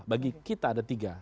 bagi kita ada tiga